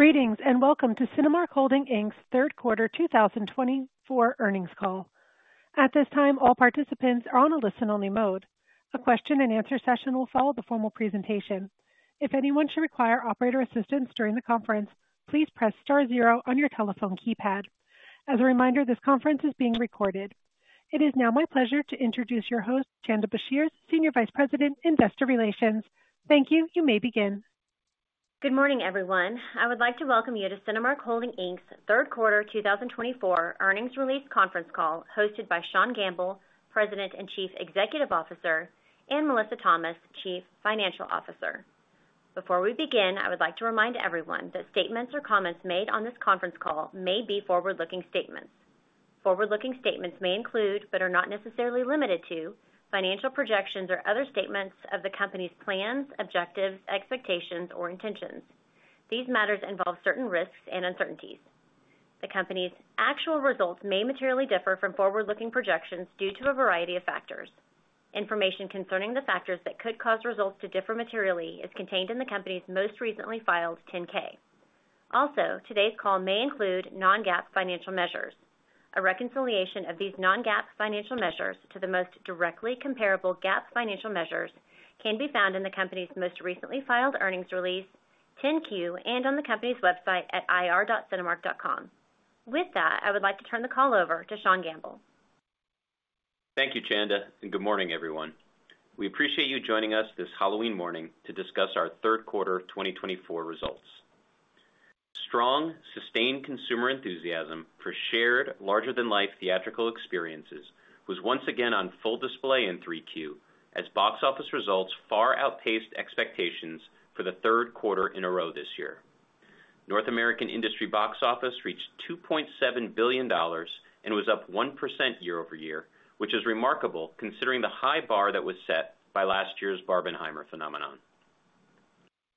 Greetings and welcome to Cinemark Holdings Inc.'s third quarter 2024 earnings call. At this time, all participants are on a listen-only mode. A question-and-answer session will follow the formal presentation. If anyone should require operator assistance during the conference, please press star zero on your telephone keypad. As a reminder, this conference is being recorded. It is now my pleasure to introduce your host, Chanda Brashears, Senior Vice President, Investor Relations. Thank you. You may begin. Good morning, everyone. I would like to welcome you to Cinemark Holdings Inc.'s third quarter 2024 earnings release conference call hosted by Sean Gamble, President and Chief Executive Officer, and Melissa Thomas, Chief Financial Officer. Before we begin, I would like to remind everyone that statements or comments made on this conference call may be forward-looking statements. Forward-looking statements may include, but are not necessarily limited to, financial projections or other statements of the company's plans, objectives, expectations, or intentions. These matters involve certain risks and uncertainties. The company's actual results may materially differ from forward-looking projections due to a variety of factors. Information concerning the factors that could cause results to differ materially is contained in the company's most recently filed 10-K. Also, today's call may include non-GAAP financial measures. A reconciliation of these non-GAAP financial measures to the most directly comparable GAAP financial measures can be found in the company's most recently filed earnings release, 10-Q, and on the company's website at ir.cinemark.com. With that, I would like to turn the call over to Sean Gamble. Thank you, Chanda, and good morning, everyone. We appreciate you joining us this Halloween morning to discuss our third quarter 2024 results. Strong, sustained consumer enthusiasm for shared, larger-than-life theatrical experiences was once again on full display in 3Q, as box office results far outpaced expectations for the third quarter in a row this year. North American industry box office reached $2.7 billion and was up 1% year-over-year, which is remarkable considering the high bar that was set by last year's Barbenheimer phenomenon.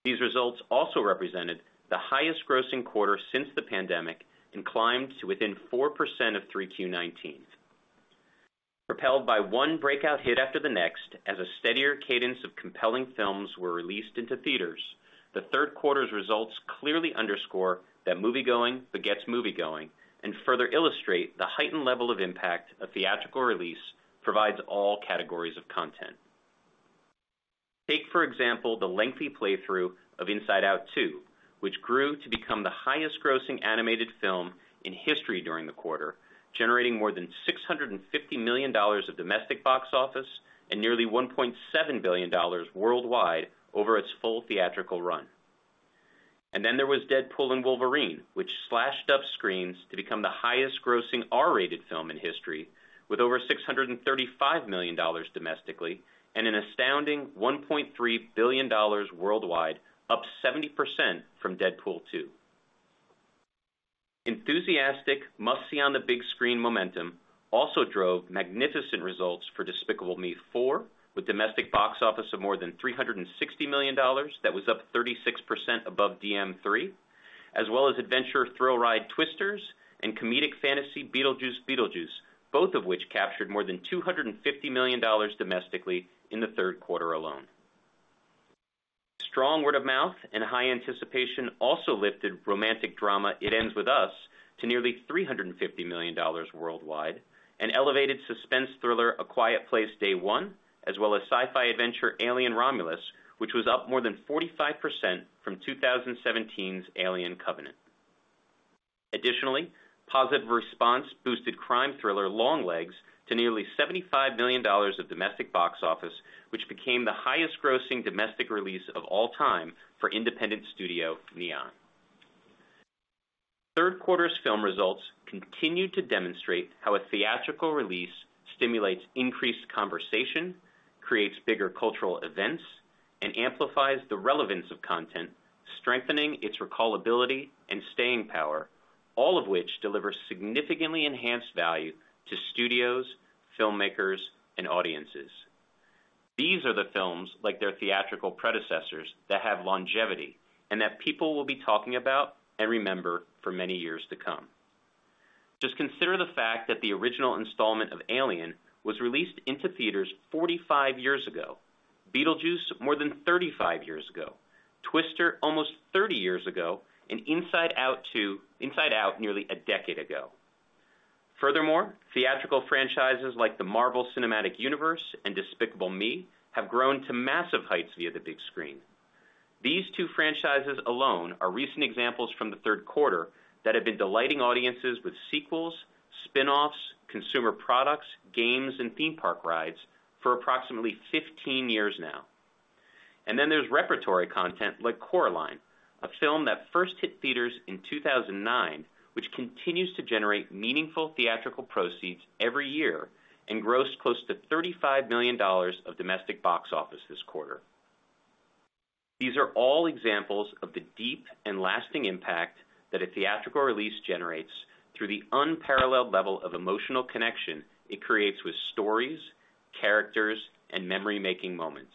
These results also represented the highest grossing quarter since the pandemic and climbed to within 4% of 3Q19. Propelled by one breakout hit after the next, as a steadier cadence of compelling films were released into theaters, the third quarter's results clearly underscore that movie-going begets movie-going and further illustrate the heightened level of impact a theatrical release provides all categories of content. Take, for example, the lengthy playthrough of Inside Out 2, which grew to become the highest-grossing animated film in history during the quarter, generating more than $650 million of domestic box office and nearly $1.7 billion worldwide over its full theatrical run. And then there was Deadpool & Wolverine, which slashed up screens to become the highest-grossing R-rated film in history, with over $635 million domestically and an astounding $1.3 billion worldwide, up 70% from Deadpool 2. Enthusiastic must-see-on-the-big-screen momentum also drove magnificent results for Despicable Me 4, with domestic box office of more than $360 million that was up 36% above DM3, as well as adventure thrill ride Twisters and comedic fantasy Beetlejuice Beetlejuice, both of which captured more than $250 million domestically in the third quarter alone. Strong word of mouth and high anticipation also lifted romantic drama It Ends with Us to nearly $350 million worldwide and elevated suspense thriller A Quiet Place: Day One, as well as sci-fi adventure Alien: Romulus, which was up more than 45% from 2017's Alien: Covenant. Additionally, positive response boosted crime thriller Longlegs to nearly $75 million of domestic box office, which became the highest-grossing domestic release of all time for independent studio Neon. Third quarter's film results continue to demonstrate how a theatrical release stimulates increased conversation, creates bigger cultural events, and amplifies the relevance of content, strengthening its recallability and staying power, all of which delivers significantly enhanced value to studios, filmmakers, and audiences. These are the films, like their theatrical predecessors, that have longevity and that people will be talking about and remember for many years to come. Just consider the fact that the original installment of Alien was released into theaters 45 years ago, Beetlejuice more than 35 years ago, Twister almost 30 years ago, and Inside Out 2 nearly a decade ago. Furthermore, theatrical franchises like the Marvel Cinematic Universe and Despicable Me have grown to massive heights via the big screen. These two franchises alone are recent examples from the third quarter that have been delighting audiences with sequels, spinoffs, consumer products, games, and theme park rides for approximately 15 years now. And then there's repertory content like Coraline, a film that first hit theaters in 2009, which continues to generate meaningful theatrical proceeds every year and grossed close to $35 million of domestic box office this quarter. These are all examples of the deep and lasting impact that a theatrical release generates through the unparalleled level of emotional connection it creates with stories, characters, and memory-making moments.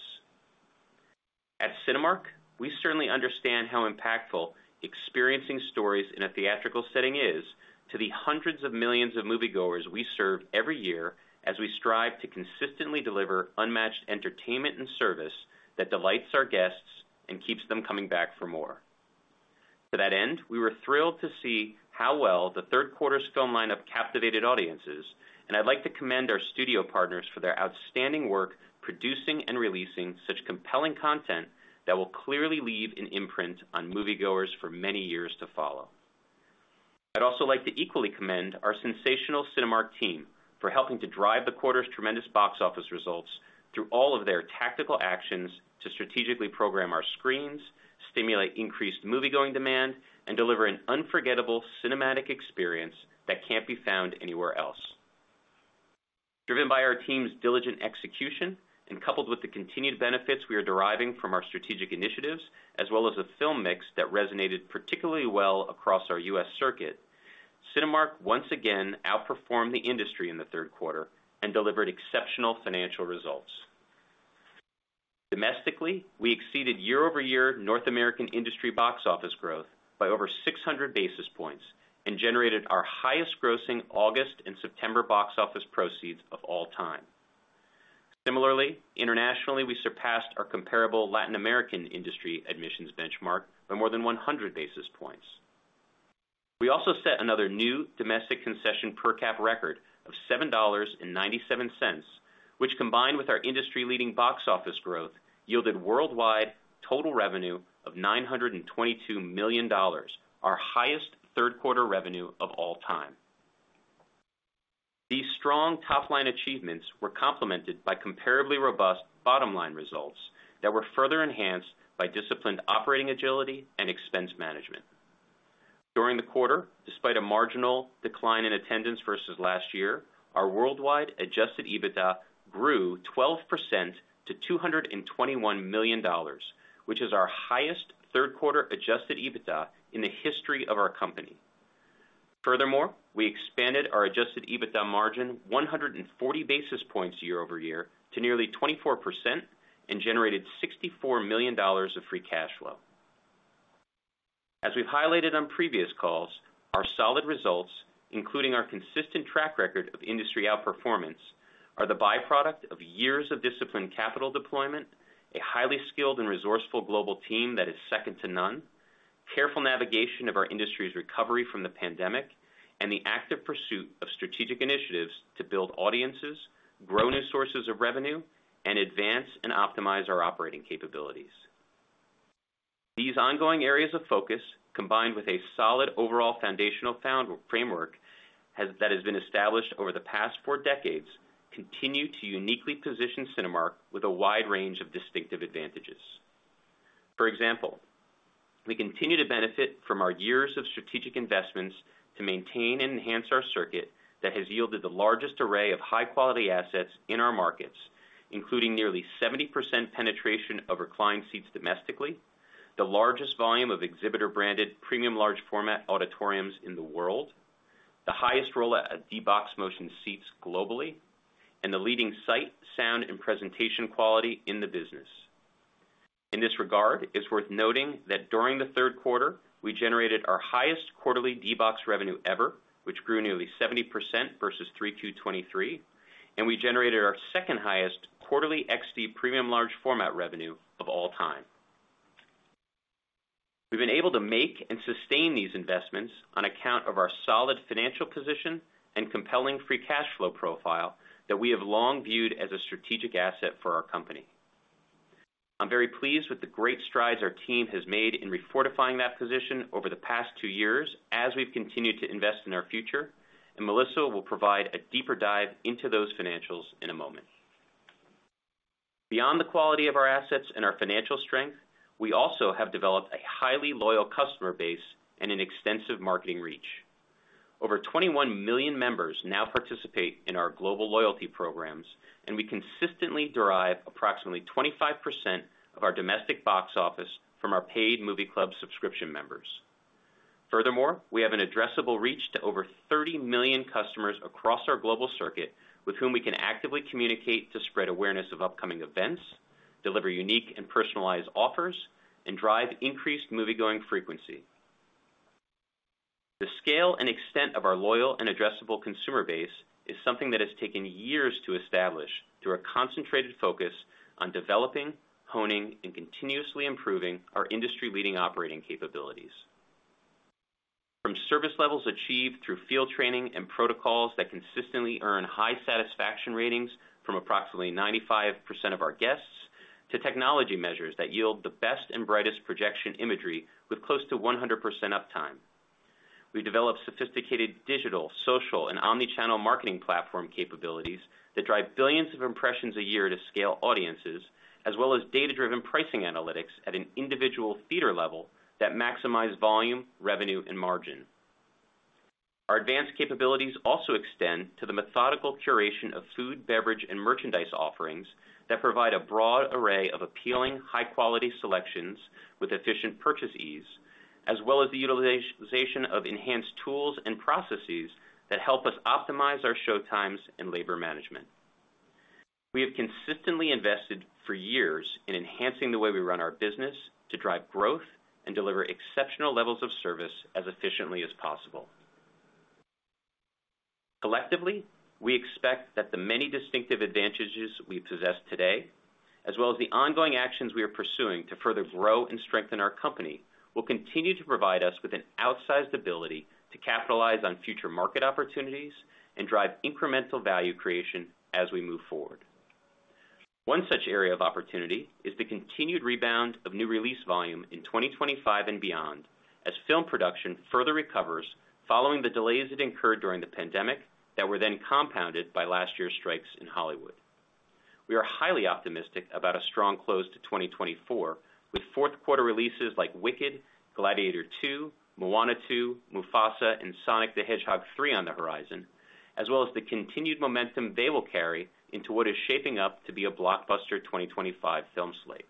At Cinemark, we certainly understand how impactful experiencing stories in a theatrical setting is to the hundreds of millions of moviegoers we serve every year as we strive to consistently deliver unmatched entertainment and service that delights our guests and keeps them coming back for more. To that end, we were thrilled to see how well the third quarter's film lineup captivated audiences, and I'd like to commend our studio partners for their outstanding work producing and releasing such compelling content that will clearly leave an imprint on moviegoers for many years to follow. I'd also like to equally commend our sensational Cinemark team for helping to drive the quarter's tremendous box office results through all of their tactical actions to strategically program our screens, stimulate increased movie-going demand, and deliver an unforgettable cinematic experience that can't be found anywhere else. Driven by our team's diligent execution and coupled with the continued benefits we are deriving from our strategic initiatives, as well as a film mix that resonated particularly well across our U.S. circuit, Cinemark once again outperformed the industry in the third quarter and delivered exceptional financial results. Domestically, we exceeded year-over-year North American industry box office growth by over 600 basis points and generated our highest-grossing August and September box office proceeds of all time. Similarly, internationally, we surpassed our comparable Latin American industry admissions benchmark by more than 100 basis points. We also set another new domestic concession per cap record of $7.97, which, combined with our industry-leading box office growth, yielded worldwide total revenue of $922 million, our highest third-quarter revenue of all time. These strong top-line achievements were complemented by comparably robust bottom-line results that were further enhanced by disciplined operating agility and expense management. During the quarter, despite a marginal decline in attendance versus last year, our worldwide adjusted EBITDA grew 12% to $221 million, which is our highest third-quarter adjusted EBITDA in the history of our company. Furthermore, we expanded our adjusted EBITDA margin 140 basis points year-over-year to nearly 24% and generated $64 million of free cash flow. As we've highlighted on previous calls, our solid results, including our consistent track record of industry outperformance, are the byproduct of years of disciplined capital deployment, a highly skilled and resourceful global team that is second to none, careful navigation of our industry's recovery from the pandemic, and the active pursuit of strategic initiatives to build audiences, grow new sources of revenue, and advance and optimize our operating capabilities. These ongoing areas of focus, combined with a solid overall foundational framework that has been established over the past four decades, continue to uniquely position Cinemark with a wide range of distinctive advantages. For example, we continue to benefit from our years of strategic investments to maintain and enhance our circuit that has yielded the largest array of high-quality assets in our markets, including nearly 70% penetration of reclined seats domestically, the largest volume of exhibitor-branded premium large-format auditoriums in the world, the highest rollout of D-BOX Motion seats globally, and the leading sight, sound, and presentation quality in the business. In this regard, it's worth noting that during the third quarter, we generated our highest quarterly D-BOX revenue ever, which grew nearly 70% versus 3Q23, and we generated our second-highest quarterly XD premium large-format revenue of all time. We've been able to make and sustain these investments on account of our solid financial position and compelling free cash flow profile that we have long viewed as a strategic asset for our company. I'm very pleased with the great strides our team has made in refortifying that position over the past two years as we've continued to invest in our future, and Melissa will provide a deeper dive into those financials in a moment. Beyond the quality of our assets and our financial strength, we also have developed a highly loyal customer base and an extensive marketing reach. Over 21 million members now participate in our global loyalty programs, and we consistently derive approximately 25% of our domestic box office from our paid Movie Club subscription members. Furthermore, we have an addressable reach to over 30 million customers across our global circuit, with whom we can actively communicate to spread awareness of upcoming events, deliver unique and personalized offers, and drive increased movie-going frequency. The scale and extent of our loyal and addressable consumer base is something that has taken years to establish through a concentrated focus on developing, honing, and continuously improving our industry-leading operating capabilities. From service levels achieved through field training and protocols that consistently earn high satisfaction ratings from approximately 95% of our guests to technology measures that yield the best and brightest projection imagery with close to 100% uptime, we develop sophisticated digital, social, and omnichannel marketing platform capabilities that drive billions of impressions a year to scale audiences, as well as data-driven pricing analytics at an individual theater level that maximize volume, revenue, and margin. Our advanced capabilities also extend to the methodical curation of food, beverage, and merchandise offerings that provide a broad array of appealing, high-quality selections with efficient purchase ease, as well as the utilization of enhanced tools and processes that help us optimize our showtimes and labor management. We have consistently invested for years in enhancing the way we run our business to drive growth and deliver exceptional levels of service as efficiently as possible. Collectively, we expect that the many distinctive advantages we possess today, as well as the ongoing actions we are pursuing to further grow and strengthen our company, will continue to provide us with an outsized ability to capitalize on future market opportunities and drive incremental value creation as we move forward. One such area of opportunity is the continued rebound of new release volume in 2025 and beyond as film production further recovers following the delays it incurred during the pandemic that were then compounded by last year's strikes in Hollywood. We are highly optimistic about a strong close to 2024 with fourth-quarter releases like Wicked, Gladiator II, Moana 2, Mufasa, and Sonic the Hedgehog 3 on the horizon, as well as the continued momentum they will carry into what is shaping up to be a blockbuster 2025 film slate.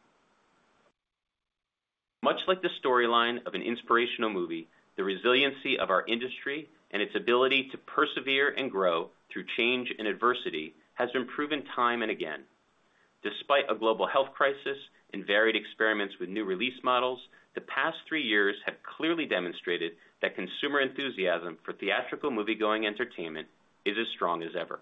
Much like the storyline of an inspirational movie, the resiliency of our industry and its ability to persevere and grow through change and adversity has been proven time and again. Despite a global health crisis and varied experiments with new release models, the past three years have clearly demonstrated that consumer enthusiasm for theatrical moviegoing entertainment is as strong as ever.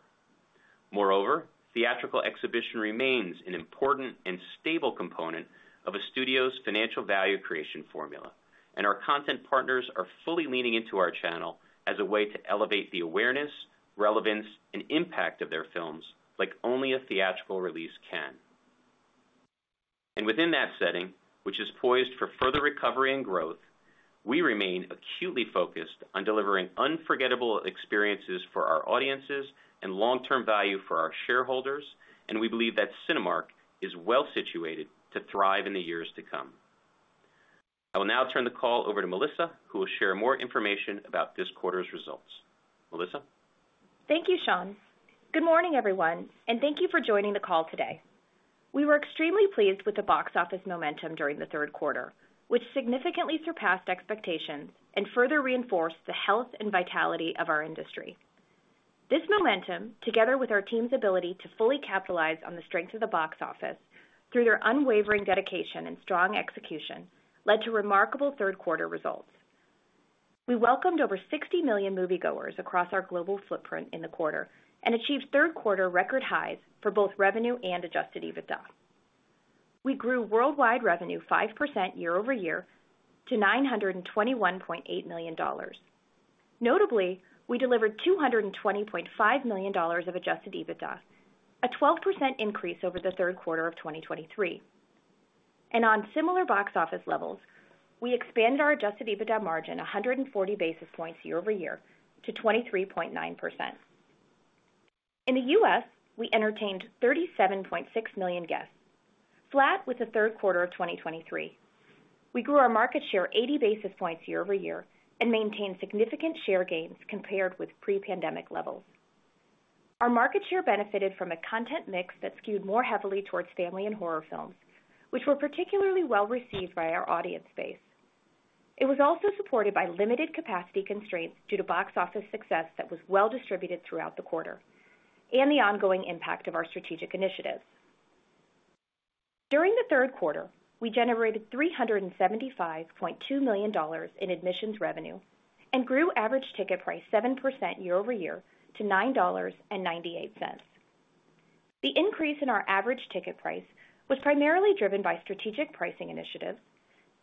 Moreover, theatrical exhibition remains an important and stable component of a studio's financial value creation formula, and our content partners are fully leaning into our channel as a way to elevate the awareness, relevance, and impact of their films like only a theatrical release can, and within that setting, which is poised for further recovery and growth, we remain acutely focused on delivering unforgettable experiences for our audiences and long-term value for our shareholders, and we believe that Cinemark is well situated to thrive in the years to come. I will now turn the call over to Melissa, who will share more information about this quarter's results. Melissa? Thank you, Sean. Good morning, everyone, and thank you for joining the call today. We were extremely pleased with the box office momentum during the third quarter, which significantly surpassed expectations and further reinforced the health and vitality of our industry. This momentum, together with our team's ability to fully capitalize on the strength of the box office through their unwavering dedication and strong execution, led to remarkable third-quarter results. We welcomed over 60 million moviegoers across our global footprint in the quarter and achieved third-quarter record highs for both revenue and Adjusted EBITDA. We grew worldwide revenue 5% year-over-year to $921.8 million. Notably, we delivered $220.5 million of Adjusted EBITDA, a 12% increase over the third quarter of 2023, and on similar box office levels, we expanded our Adjusted EBITDA margin 140 basis points year-over-year to 23.9%. In the U.S., we entertained 37.6 million guests, flat with the third quarter of 2023. We grew our market share 80 basis points year-over-year and maintained significant share gains compared with pre-pandemic levels. Our market share benefited from a content mix that skewed more heavily towards family and horror films, which were particularly well received by our audience base. It was also supported by limited capacity constraints due to box office success that was well distributed throughout the quarter and the ongoing impact of our strategic initiatives. During the third quarter, we generated $375.2 million in admissions revenue and grew average ticket price 7% year-over-year to $9.98. The increase in our average ticket price was primarily driven by strategic pricing initiatives,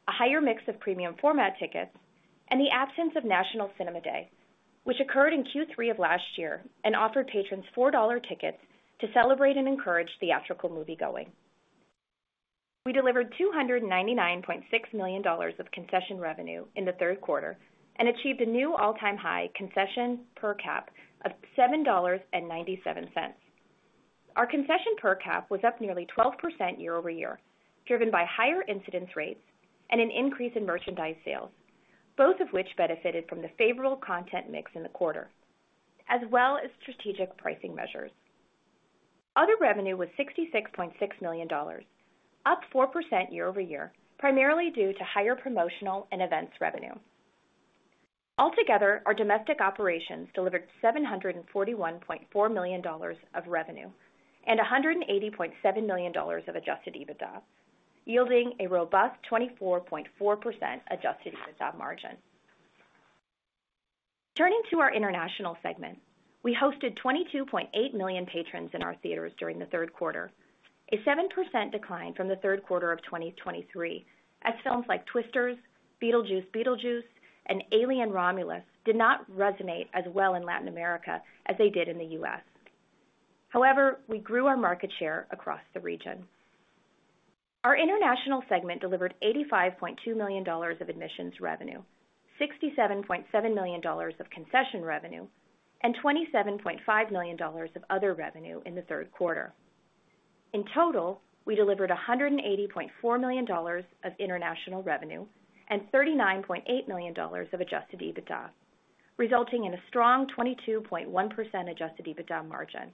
a higher mix of premium format tickets, and the absence of National Cinema Day, which occurred in Q3 of last year and offered patrons $4 tickets to celebrate and encourage theatrical moviegoing. We delivered $299.6 million of concession revenue in the third quarter and achieved a new all-time high concession per cap of $7.97. Our concession per cap was up nearly 12% year-over-year, driven by higher incidence rates and an increase in merchandise sales, both of which benefited from the favorable content mix in the quarter, as well as strategic pricing measures. Other revenue was $66.6 million, up 4% year-over-year, primarily due to higher promotional and events revenue. Altogether, our domestic operations delivered $741.4 million of revenue and $180.7 million of Adjusted EBITDA, yielding a robust 24.4% Adjusted EBITDA margin. Turning to our international segment, we hosted 22.8 million patrons in our theaters during the third quarter, a 7% decline from the third quarter of 2023, as films like Twisters, Beetlejuice Beetlejuice, and Alien: Romulus did not resonate as well in Latin America as they did in the U.S. However, we grew our market share across the region. Our international segment delivered $85.2 million of admissions revenue, $67.7 million of concession revenue, and $27.5 million of other revenue in the third quarter. In total, we delivered $180.4 million of international revenue and $39.8 million of adjusted EBITDA, resulting in a strong 22.1% adjusted EBITDA margin.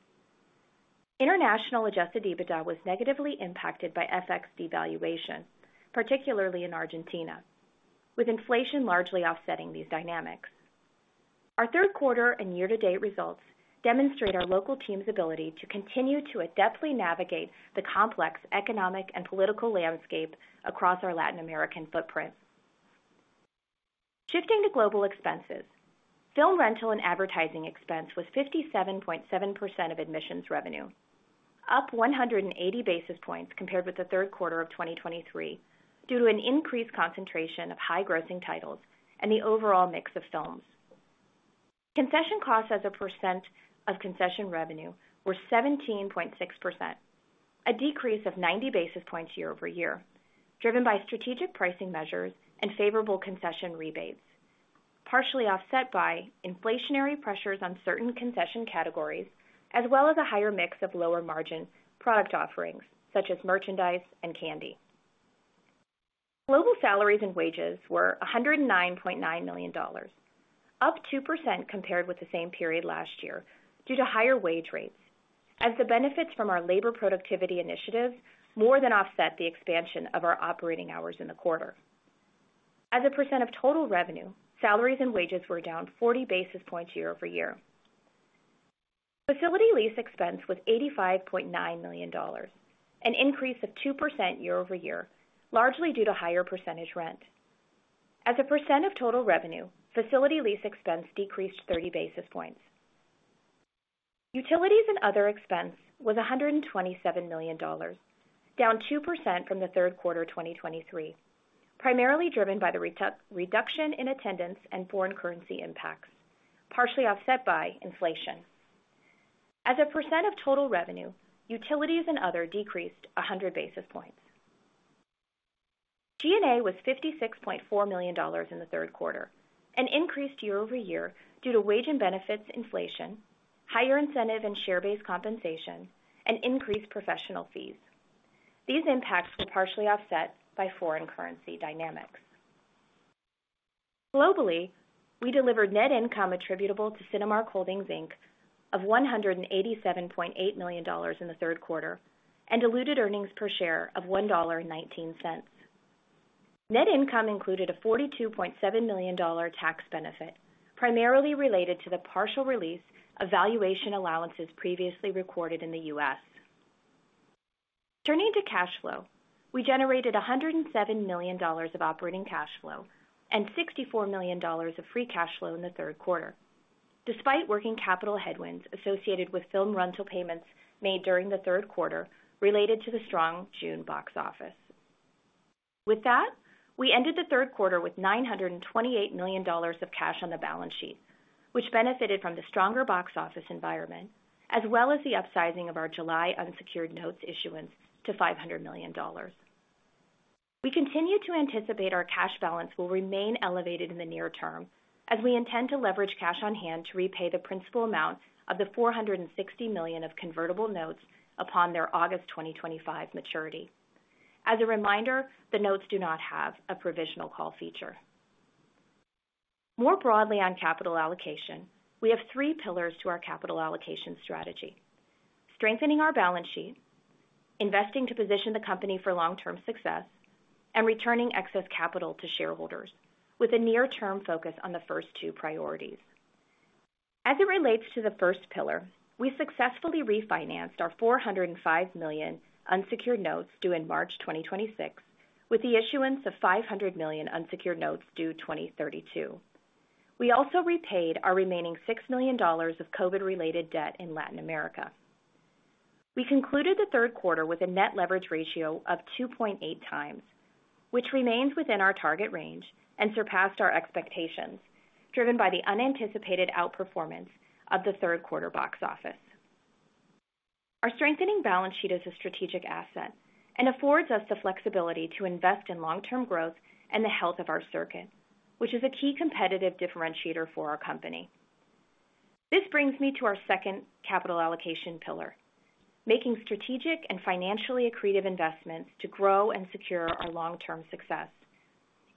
International adjusted EBITDA was negatively impacted by FX devaluation, particularly in Argentina, with inflation largely offsetting these dynamics. Our third quarter and year-to-date results demonstrate our local team's ability to continue to adeptly navigate the complex economic and political landscape across our Latin American footprint. Shifting to global expenses, film rental and advertising expense was 57.7% of admissions revenue, up 180 basis points compared with the third quarter of 2023 due to an increased concentration of high-grossing titles and the overall mix of films. Concession costs as a percent of concession revenue were 17.6%, a decrease of 90 basis points year-over-year, driven by strategic pricing measures and favorable concession rebates, partially offset by inflationary pressures on certain concession categories, as well as a higher mix of lower-margin product offerings such as merchandise and candy. Global salaries and wages were $109.9 million, up 2% compared with the same period last year due to higher wage rates, as the benefits from our labor productivity initiatives more than offset the expansion of our operating hours in the quarter. As a percent of total revenue, salaries and wages were down 40 basis points year-over-year. Facility lease expense was $85.9 million, an increase of 2% year-over-year, largely due to higher percentage rent. As a percent of total revenue, facility lease expense decreased 30 basis points. Utilities and other expense was $127 million, down 2% from the third quarter 2023, primarily driven by the reduction in attendance and foreign currency impacts, partially offset by inflation. As a % of total revenue, utilities and other decreased 100 basis points. G&A was $56.4 million in the third quarter, an increase year-over-year due to wage and benefits inflation, higher incentive and share-based compensation, and increased professional fees. These impacts were partially offset by foreign currency dynamics. Globally, we delivered net income attributable to Cinemark Holdings Inc. of $187.8 million in the third quarter and diluted earnings per share of $1.19. Net income included a $42.7 million tax benefit, primarily related to the partial release of valuation allowances previously recorded in the U.S. Turning to cash flow, we generated $107 million of operating cash flow and $64 million of free cash flow in the third quarter, despite working capital headwinds associated with film rental payments made during the third quarter related to the strong June box office. With that, we ended the third quarter with $928 million of cash on the balance sheet, which benefited from the stronger box office environment, as well as the upsizing of our July unsecured notes issuance to $500 million. We continue to anticipate our cash balance will remain elevated in the near term, as we intend to leverage cash on hand to repay the principal amount of the $460 million of convertible notes upon their August 2025 maturity. As a reminder, the notes do not have a provisional call feature. More broadly on capital allocation, we have three pillars to our capital allocation strategy: strengthening our balance sheet, investing to position the company for long-term success, and returning excess capital to shareholders, with a near-term focus on the first two priorities. As it relates to the first pillar, we successfully refinanced our $405 million unsecured notes due in March 2026, with the issuance of $500 million unsecured notes due 2032. We also repaid our remaining $6 million of COVID-related debt in Latin America. We concluded the third quarter with a net leverage ratio of 2.8x, which remains within our target range and surpassed our expectations, driven by the unanticipated outperformance of the third-quarter box office. Our strengthening balance sheet is a strategic asset and affords us the flexibility to invest in long-term growth and the health of our circuit, which is a key competitive differentiator for our company. This brings me to our second capital allocation pillar: making strategic and financially accretive investments to grow and secure our long-term success,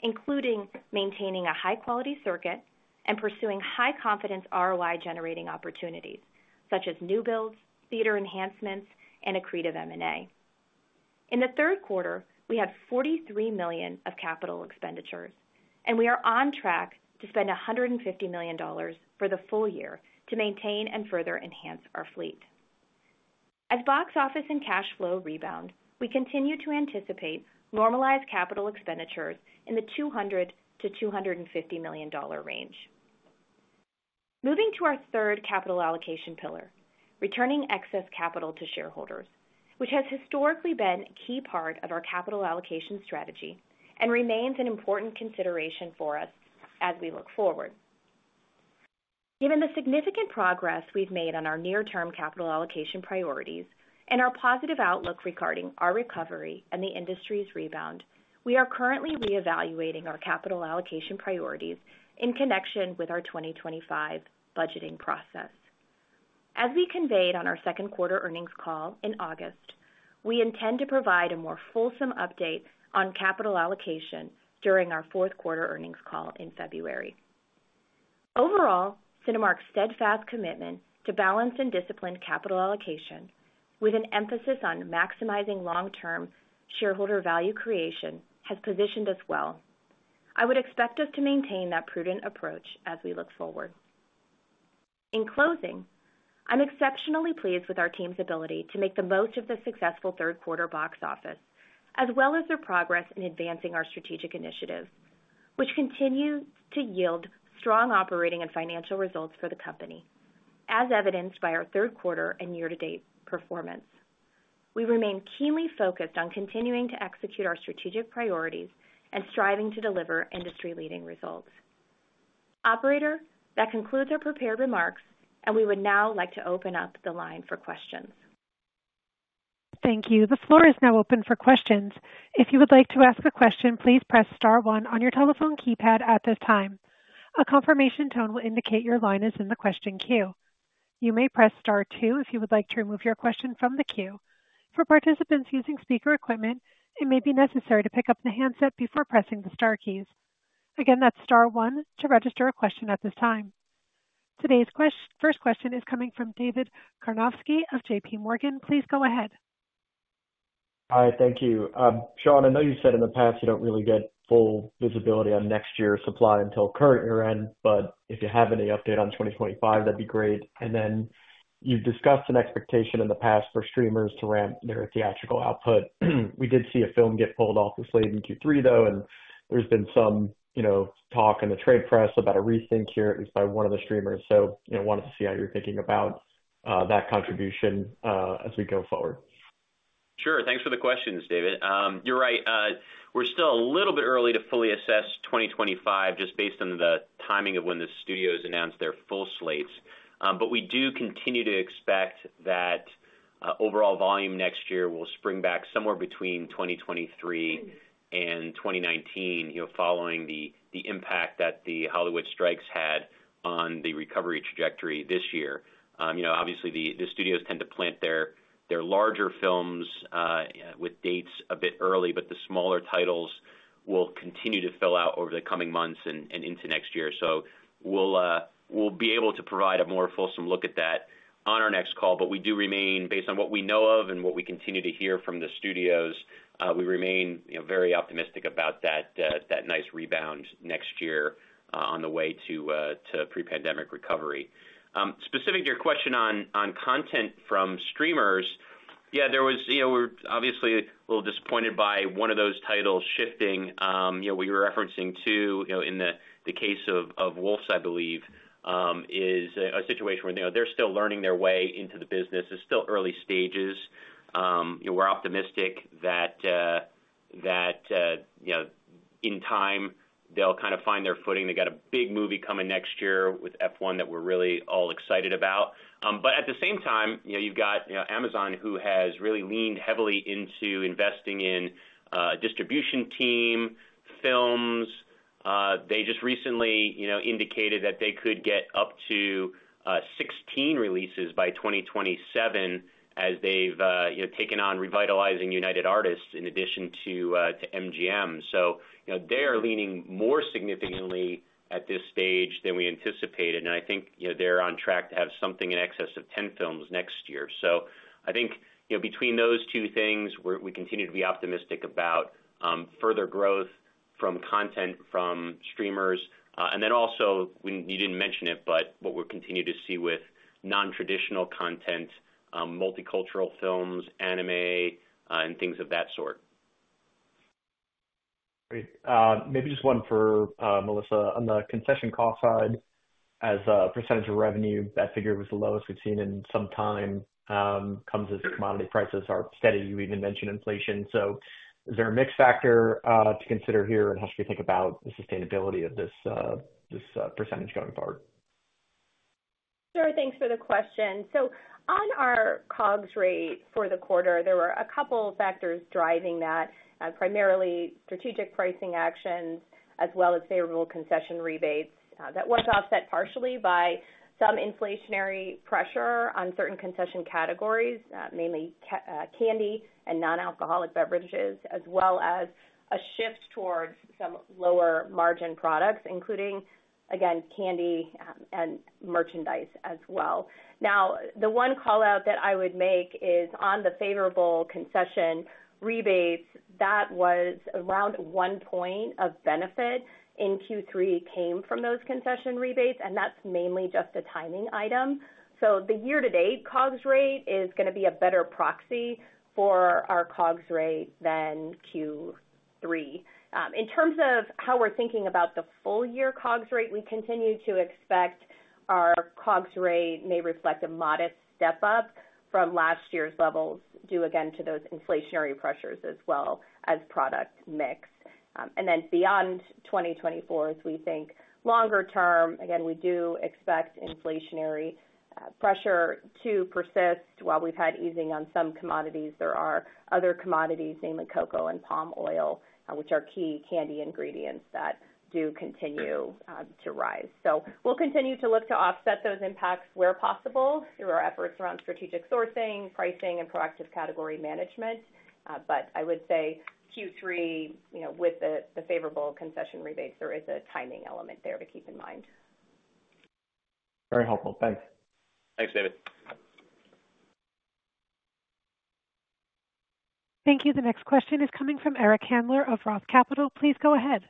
including maintaining a high-quality circuit and pursuing high-confidence ROI-generating opportunities, such as new builds, theater enhancements, and accretive M&A. In the third quarter, we had $43 million of capital expenditures, and we are on track to spend $150 million for the full year to maintain and further enhance our fleet. As box office and cash flow rebound, we continue to anticipate normalized capital expenditures in the $200 million-$250 million range. Moving to our third capital allocation pillar: returning excess capital to shareholders, which has historically been a key part of our capital allocation strategy and remains an important consideration for us as we look forward. Given the significant progress we've made on our near-term capital allocation priorities and our positive outlook regarding our recovery and the industry's rebound, we are currently reevaluating our capital allocation priorities in connection with our 2025 budgeting process. As we conveyed on our second quarter earnings call in August, we intend to provide a more fulsome update on capital allocation during our fourth quarter earnings call in February. Overall, Cinemark's steadfast commitment to balanced and disciplined capital allocation, with an emphasis on maximizing long-term shareholder value creation, has positioned us well. I would expect us to maintain that prudent approach as we look forward. In closing, I'm exceptionally pleased with our team's ability to make the most of the successful third quarter box office, as well as their progress in advancing our strategic initiatives, which continue to yield strong operating and financial results for the company, as evidenced by our third quarter and year-to-date performance. We remain keenly focused on continuing to execute our strategic priorities and striving to deliver industry-leading results. Operator, that concludes our prepared remarks, and we would now like to open up the line for questions. Thank you. The floor is now open for questions. If you would like to ask a question, please press star one on your telephone keypad at this time. A confirmation tone will indicate your line is in the question queue. You may press star two if you would like to remove your question from the queue. For participants using speaker equipment, it may be necessary to pick up the handset before pressing the star keys. Again, that's star one to register a question at this time. Today's first question is coming from David Karnovsky of JPMorgan. Please go ahead. Hi, thank you. Sean, I know you've said in the past you don't really get full visibility on next year's supply until current year end, but if you have any update on 2025, that'd be great. And then you've discussed an expectation in the past for streamers to ramp their theatrical output. We did see a film get pulled off the slate in Q3, though, and there's been some, you know, talk in the trade press about a rethink here, at least by one of the streamers. So, you know, wanted to see how you're thinking about that contribution as we go forward. Sure. Thanks for the questions, David. You're right. We're still a little bit early to fully assess 2025, just based on the timing of when the studios announced their full slates. But we do continue to expect that overall volume next year will spring back somewhere between 2023 and 2019, you know, following the impact that the Hollywood strikes had on the recovery trajectory this year. You know, obviously, the studios tend to plant their larger films with dates a bit early, but the smaller titles will continue to fill out over the coming months and into next year. So we'll be able to provide a more fulsome look at that on our next call. But we do remain, based on what we know of and what we continue to hear from the studios, we remain, you know, very optimistic about that nice rebound next year on the way to pre-pandemic recovery. Specific to your question on content from streamers, yeah, there was, you know, we're obviously a little disappointed by one of those titles shifting. You know, we were referencing to, you know, in the case of Wolfs, I believe, is a situation where, you know, they're still learning their way into the business. It's still early stages. You know, we're optimistic that, you know, in time, they'll kind of find their footing. They've got a big movie coming next year with F1 that we're really all excited about. But at the same time, you know, you've got, you know, Amazon, who has really leaned heavily into investing in a distribution team, films. They just recently, you know, indicated that they could get up to 16 releases by 2027 as they've, you know, taken on revitalizing United Artists in addition to MGM. So, you know, they are leaning more significantly at this stage than we anticipated. And I think, you know, they're on track to have something in excess of 10 films next year. So I think, you know, between those two things, we continue to be optimistic about further growth from content from streamers. And then also, you didn't mention it, but what we're continuing to see with non-traditional content, multicultural films, anime, and things of that sort. Great. Maybe just one for Melissa. On the concession cost side, as a percentage of revenue, that figure was the lowest we've seen in some time, comes as commodity prices are steady. We even mentioned inflation. So is there a mixed factor to consider here, and how should we think about the sustainability of this percentage going forward? Sure. Thanks for the question. So on our COGS rate for the quarter, there were a couple of factors driving that, primarily strategic pricing actions as well as favorable concession rebates. That was offset partially by some inflationary pressure on certain concession categories, mainly candy and non-alcoholic beverages, as well as a shift towards some lower-margin products, including, again, candy and merchandise as well. Now, the one callout that I would make is on the favorable concession rebates, that was around one point of benefit in Q3, came from those concession rebates, and that's mainly just a timing item. So the year-to-date COGS rate is going to be a better proxy for our COGS rate than Q3. In terms of how we're thinking about the full-year COGS rate, we continue to expect our COGS rate may reflect a modest step up from last year's levels due, again, to those inflationary pressures as well as product mix, and then beyond 2024, as we think longer term, again, we do expect inflationary pressure to persist while we've had easing on some commodities. There are other commodities, namely cocoa and palm oil, which are key candy ingredients that do continue to rise. So we'll continue to look to offset those impacts where possible through our efforts around strategic sourcing, pricing, and proactive category management. But I would say Q3, you know, with the favorable concession rebates, there is a timing element there to keep in mind. Very helpful. Thanks. Thanks, David. Thank you. The next question is coming from Eric Handler of Roth Capital. Please go ahead.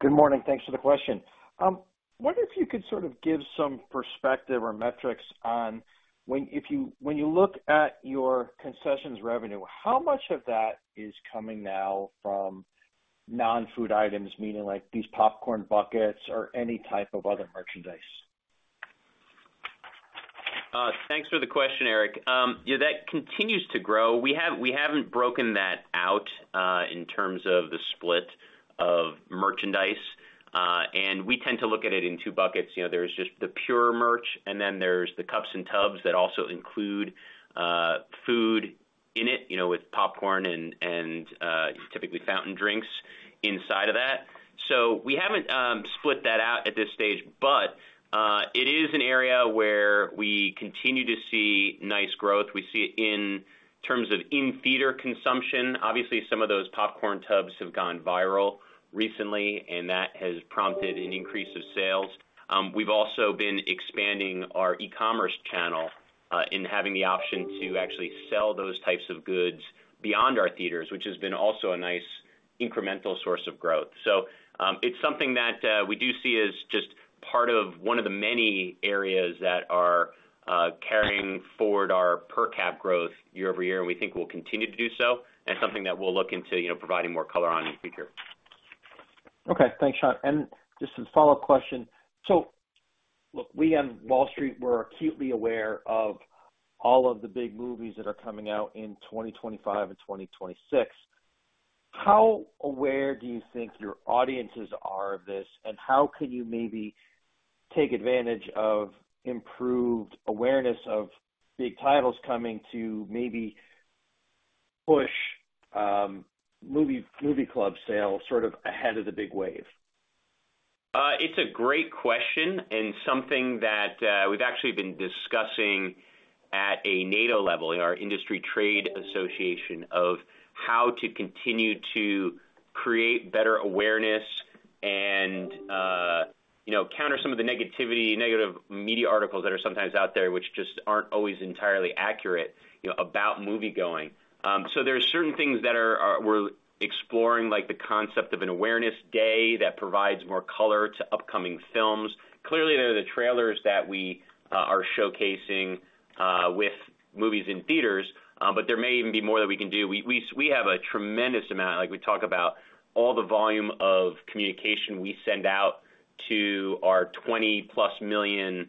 Good morning. Thanks for the question. I wonder if you could sort of give some perspective or metrics on when you look at your concessions revenue, how much of that is coming now from non-food items, meaning like these popcorn buckets or any type of other merchandise? Thanks for the question, Eric. You know, that continues to grow. We haven't broken that out in terms of the split of merchandise. And we tend to look at it in two buckets. You know, there's just the pure merch, and then there's the cups and tubs that also include food in it, you know, with popcorn and typically fountain drinks inside of that. So we haven't split that out at this stage, but it is an area where we continue to see nice growth. We see it in terms of in-theater consumption. Obviously, some of those popcorn tubs have gone viral recently, and that has prompted an increase of sales. We've also been expanding our e-commerce channel and having the option to actually sell those types of goods beyond our theaters, which has been also a nice incremental source of growth, so it's something that we do see as just part of one of the many areas that are carrying forward our per-cap growth year-over-year, and we think we'll continue to do so, and it's something that we'll look into, you know, providing more color on in the future. Okay. Thanks, Sean, and just a follow-up question, so look, we on Wall Street were acutely aware of all of the big movies that are coming out in 2025 and 2026. How aware do you think your audiences are of this, and how can you maybe take advantage of improved awareness of big titles coming to maybe push movie club sales sort of ahead of the big wave? It's a great question and something that we've actually been discussing at a NATO level, our industry trade association, of how to continue to create better awareness and, you know, counter some of the negativity, negative media articles that are sometimes out there, which just aren't always entirely accurate, you know, about movie-going, so there are certain things that we're exploring, like the concept of an awareness day that provides more color to upcoming films. Clearly, there are the trailers that we are showcasing with movies in theaters, but there may even be more that we can do. We have a tremendous amount, like we talk about, all the volume of communication we send out to our 20+ million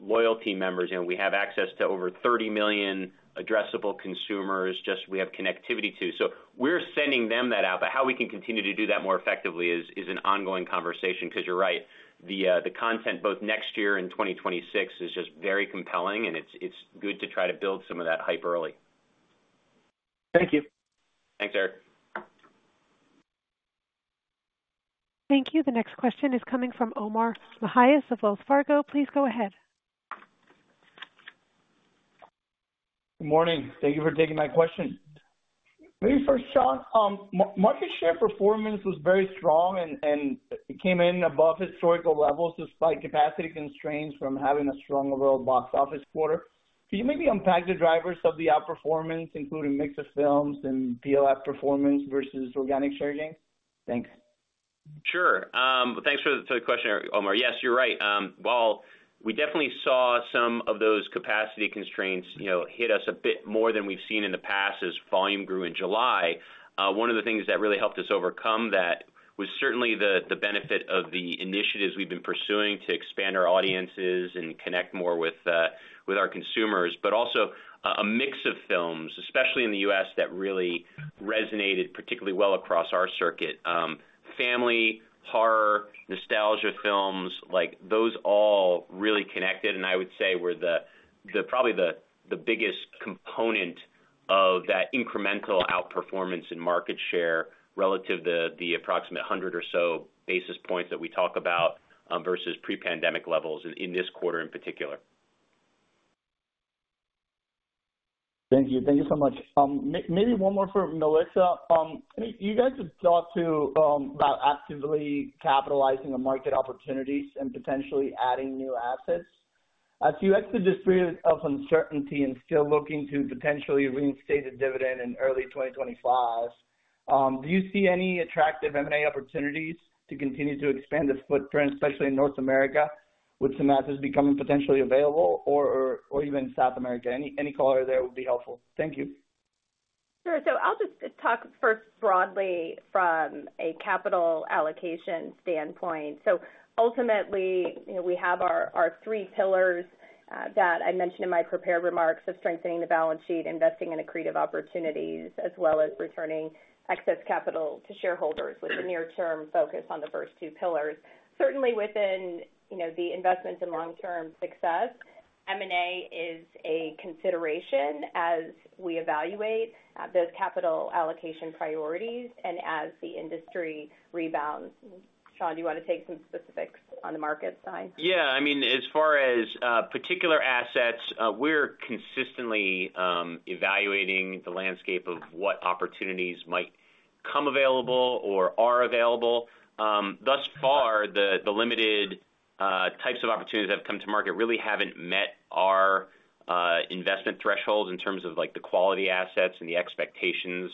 loyalty members. You know, we have access to over 30 million addressable consumers just we have connectivity to. So we're sending them that out, but how we can continue to do that more effectively is an ongoing conversation because you're right, the content both next year and 2026 is just very compelling, and it's good to try to build some of that hype early. Thank you. Thanks, Eric. Thank you. The next question is coming from Omar Mejias of Wells Fargo. Please go ahead. Good morning. Thank you for taking my question. Maybe first, Sean, market share performance was very strong, and it came in above historical levels despite capacity constraints from having a strong overall box office quarter. Could you maybe unpack the drivers of the outperformance, including mix of films and PLF performance versus organic sharing? Thanks. Sure. Thanks for the question, Omar. Yes, you're right. While we definitely saw some of those capacity constraints, you know, hit us a bit more than we've seen in the past as volume grew in July, one of the things that really helped us overcome that was certainly the benefit of the initiatives we've been pursuing to expand our audiences and connect more with our consumers, but also a mix of films, especially in the U.S., that really resonated particularly well across our circuit. Family, horror, nostalgia films like those all really connected, and I would say were probably the biggest component of that incremental outperformance in market share relative to the approximate 100 or so basis points that we talk about versus pre-pandemic levels in this quarter in particular. Thank you. Thank you so much. Maybe one more for Melissa. You guys have talked about actively capitalizing on market opportunities and potentially adding new assets. So you exited this period of uncertainty and still looking to potentially reinstate a dividend in early 2025. Do you see any attractive M&A opportunities to continue to expand the footprint, especially in North America, with some assets becoming potentially available, or even South America? Any color there would be helpful. Thank you. Sure. So I'll just talk first broadly from a capital allocation standpoint. So ultimately, you know, we have our three pillars that I mentioned in my prepared remarks of strengthening the balance sheet, investing in accretive opportunities, as well as returning excess capital to shareholders with a near-term focus on the first two pillars. Certainly, within, you know, the investment and long-term success, M&A is a consideration as we evaluate those capital allocation priorities and as the industry rebounds. Sean, do you want to take some specifics on the market side? Yeah. I mean, as far as particular assets, we're consistently evaluating the landscape of what opportunities might come available or are available. Thus far, the limited types of opportunities that have come to market really haven't met our investment threshold in terms of like the quality assets and the expectations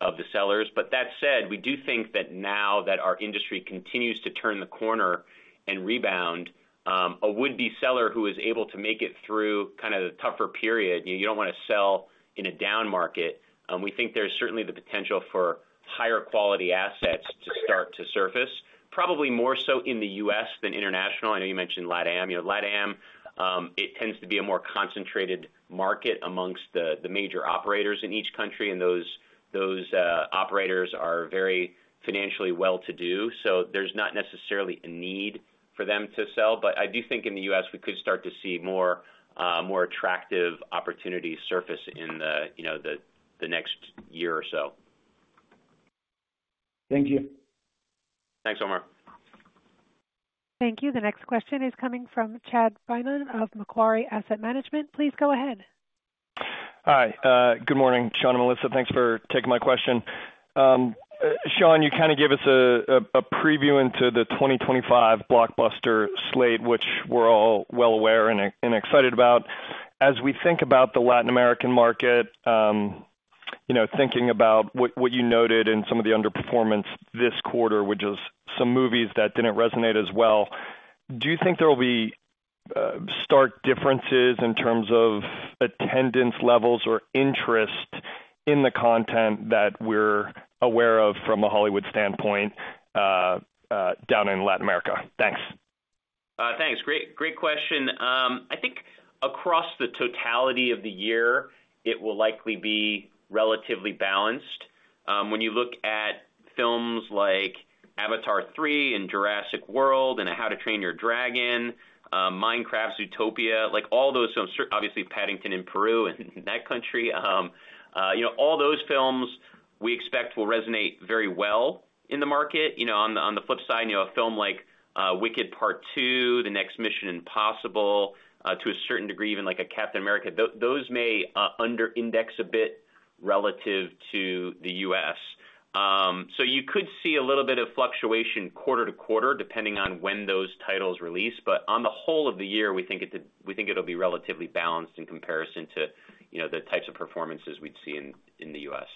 of the sellers. But that said, we do think that now that our industry continues to turn the corner and rebound, a would-be seller who is able to make it through kind of a tougher period, you know, you don't want to sell in a down market. We think there's certainly the potential for higher quality assets to start to surface, probably more so in the U.S. than international. I know you mentioned LatAm. You know, LatAm, it tends to be a more concentrated market amongst the major operators in each country, and those operators are very financially well-to-do. So there's not necessarily a need for them to sell. But I do think in the U.S., we could start to see more attractive opportunities surface in the, you know, the next year or so. Thank you. Thanks, Omar. Thank you. The next question is coming from Chad Beynon of Macquarie Asset Management. Please go ahead. Hi. Good morning, Sean and Melissa. Thanks for taking my question. Sean, you kind of gave us a preview into the 2025 blockbuster slate, which we're all well aware and excited about. As we think about the Latin American market, you know, thinking about what you noted and some of the underperformance this quarter, which is some movies that didn't resonate as well, do you think there will be stark differences in terms of attendance levels or interest in the content that we're aware of from a Hollywood standpoint down in Latin America? Thanks. Thanks. Great, great question. I think across the totality of the year, it will likely be relatively balanced. When you look at films like Avatar 3 and Jurassic World and How to Train Your Dragon, Zootopia 2, like all those films, obviously Paddington in Peru and that country, you know, all those films we expect will resonate very well in the market. You know, on the flip side, you know, a film like Wicked Part Two, the next Mission Impossible, to a certain degree, even like Captain America, those may under-index a bit relative to the U.S. So you could see a little bit of fluctuation quarter to quarter depending on when those titles release. But on the whole of the year, we think it'll be relatively balanced in comparison to, you know, the types of performances we'd see in the U.S.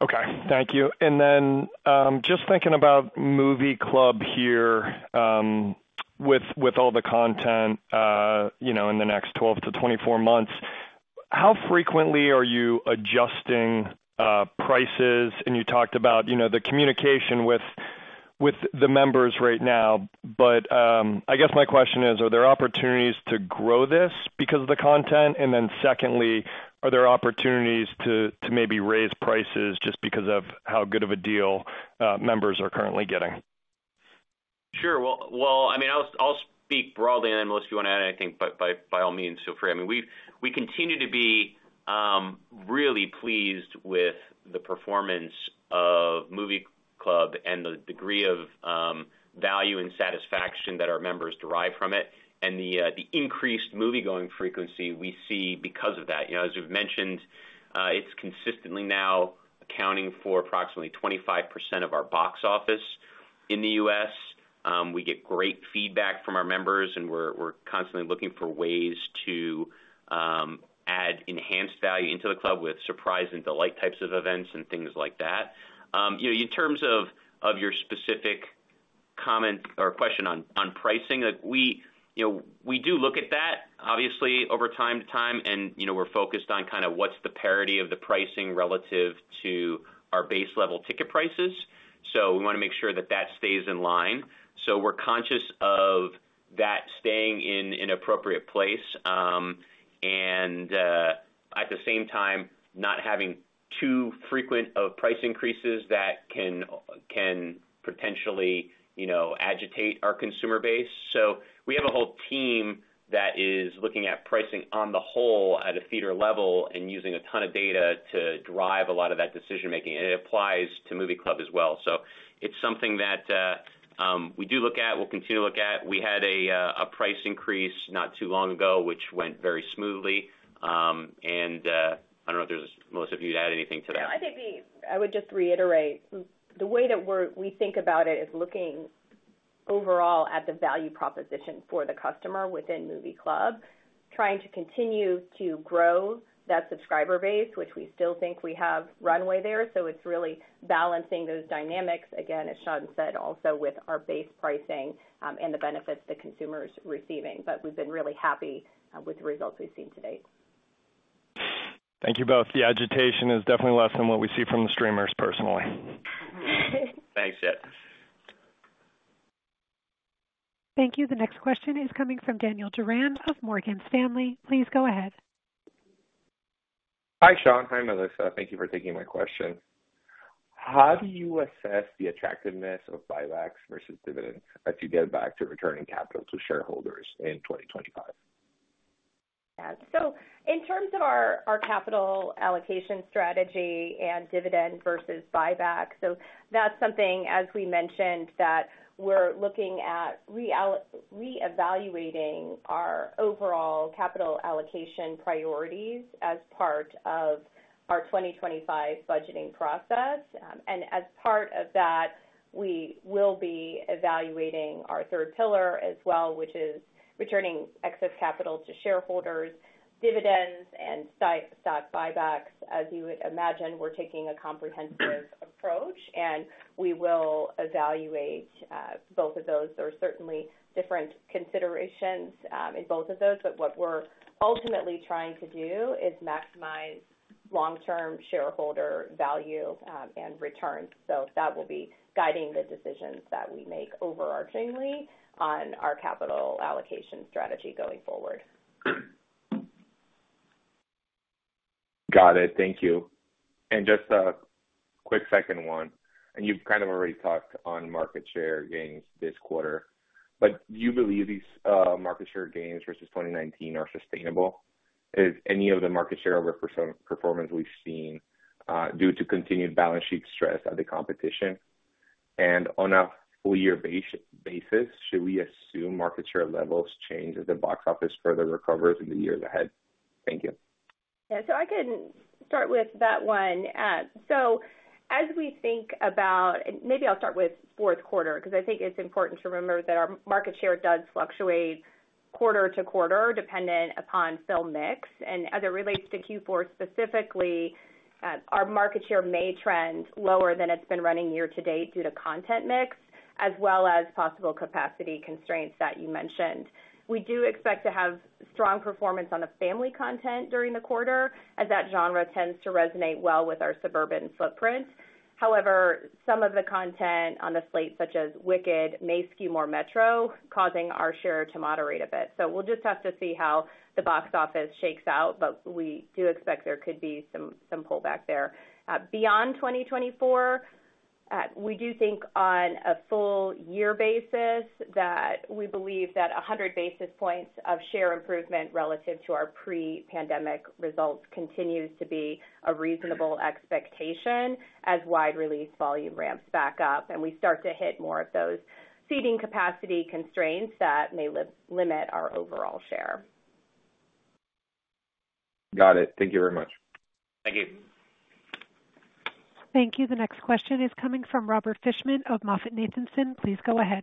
Okay. Thank you. And then just thinking about movie club here with all the content, you know, in the next 12 months-24 months, how frequently are you adjusting prices? And you talked about, you know, the communication with the members right now. But I guess my question is, are there opportunities to grow this because of the content? And then secondly, are there opportunities to maybe raise prices just because of how good of a deal members are currently getting? Sure. Well, I mean, I'll speak broadly on that unless you want to add anything, but by all means, feel free. I mean, we continue to be really pleased with the performance of movie club and the degree of value and satisfaction that our members derive from it and the increased movie-going frequency we see because of that. You know, as we've mentioned, it's consistently now accounting for approximately 25% of our box office in the U.S. We get great feedback from our members, and we're constantly looking for ways to add enhanced value into the club with surprise and delight types of events and things like that. You know, in terms of your specific comment or question on pricing, you know, we do look at that, obviously, over time to time, and you know, we're focused on kind of what's the parity of the pricing relative to our base level ticket prices. So we want to make sure that that stays in line. So we're conscious of that staying in an appropriate place and at the same time not having too frequent price increases that can potentially, you know, agitate our consumer base. So we have a whole team that is looking at pricing on the whole at a theater level and using a ton of data to drive a lot of that decision-making. And it applies to movie club as well. So it's something that we do look at, we'll continue to look at. We had a price increase not too long ago, which went very smoothly, and I don't know if Melissa, if you'd add anything to that. Yeah. I think I would just reiterate the way that we think about it is looking overall at the value proposition for the customer within movie club, trying to continue to grow that subscriber base, which we still think we have runway there, so it's really balancing those dynamics, again, as Sean said, also with our base pricing and the benefits the consumer is receiving, but we've been really happy with the results we've seen to date. Thank you both. The agitation is definitely less than what we see from the streamers personally. Thanks, Chad. Thank you. The next question is coming from Benjamin Swinburne of Morgan Stanley. Please go ahead. Hi, Sean. Hi, Melissa. Thank you for taking my question. How do you assess the attractiveness of buybacks versus dividends as you get back to returning capital to shareholders in 2025? Yeah, so in terms of our capital allocation strategy and dividend versus buyback, so that's something, as we mentioned, that we're looking at reevaluating our overall capital allocation priorities as part of our 2025 budgeting process. And as part of that, we will be evaluating our third pillar as well, which is returning excess capital to shareholders, dividends, and stock buybacks. As you would imagine, we're taking a comprehensive approach, and we will evaluate both of those. There are certainly different considerations in both of those, but what we're ultimately trying to do is maximize long-term shareholder value and returns. So that will be guiding the decisions that we make overarchingly on our capital allocation strategy going forward. Got it. Thank you, and just a quick second one. And you've kind of already talked on market share gains this quarter, but do you believe these market share gains versus 2019 are sustainable? Is any of the market share overperformance we've seen due to continued balance sheet stress of the competition? And on a full-year basis, should we assume market share levels change as the box office further recovers in the years ahead? Thank you. Yeah. So I can start with that one. So as we think about, and maybe I'll start with fourth quarter, because I think it's important to remember that our market share does fluctuate quarter to quarter dependent upon film mix. And as it relates to Q4 specifically, our market share may trend lower than it's been running year to date due to content mix, as well as possible capacity constraints that you mentioned. We do expect to have strong performance on the family content during the quarter, as that genre tends to resonate well with our suburban footprint. However, some of the content on the slate, such as Wicked, may skew more metro, causing our share to moderate a bit. So we'll just have to see how the box office shakes out, but we do expect there could be some pullback there. Beyond 2024, we do think on a full-year basis that we believe that 100 basis points of share improvement relative to our pre-pandemic results continues to be a reasonable expectation as wide release volume ramps back up and we start to hit more of those seating capacity constraints that may limit our overall share. Got it. Thank you very much. Thank you. Thank you. The next question is coming from Robert Fishman of MoffettNathanson. Please go ahead.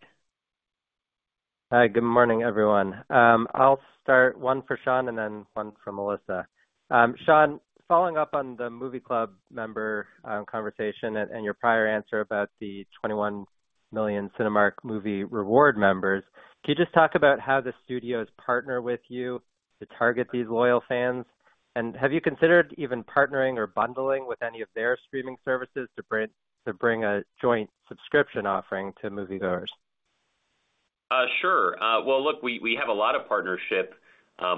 Hi. Good morning, everyone. I'll start one for Sean and then one for Melissa. Sean, following up on the Movie Club member conversation and your prior answer about the 21 million Cinemark Movie Rewards members, can you just talk about how the studios partner with you to target these loyal fans? And have you considered even partnering or bundling with any of their streaming services to bring a joint subscription offering to moviegoers? Sure. Well, look, we have a lot of partnership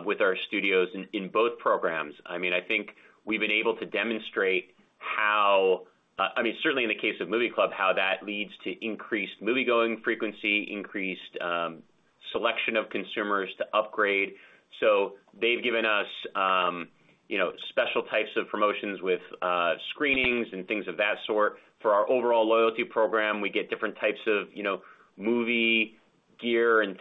with our studios in both programs. I mean, I think we've been able to demonstrate how, I mean, certainly in the case of Movie Club, how that leads to increased movie-going frequency, increased selection of consumers to upgrade. So they've given us, you know, special types of promotions with screenings and things of that sort. For our overall loyalty program, we get different types of, you know, movie gear and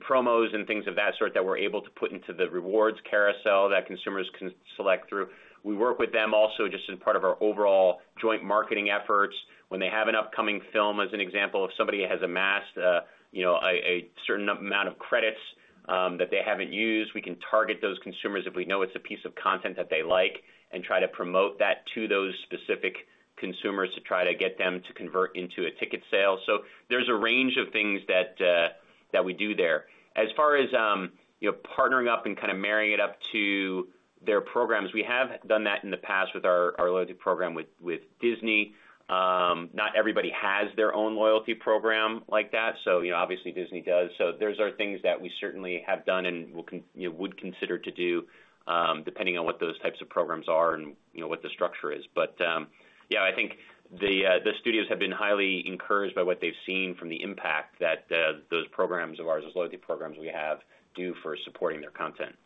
promos and things of that sort that we're able to put into the rewards carousel that consumers can select through. We work with them also just as part of our overall joint marketing efforts. When they have an upcoming film, as an example, if somebody has amassed, you know, a certain amount of credits that they haven't used, we can target those consumers if we know it's a piece of content that they like and try to promote that to those specific consumers to try to get them to convert into a ticket sale, so there's a range of things that we do there. As far as, you know, partnering up and kind of marrying it up to their programs, we have done that in the past with our loyalty program with Disney. Not everybody has their own loyalty program like that. So, you know, obviously Disney does. So those are things that we certainly have done and would consider to do depending on what those types of programs are and, you know, what the structure is. But yeah, I think the studios have been highly encouraged by what they've seen from the impact that those programs of ours, those loyalty programs we have, do for supporting their content. Perfect.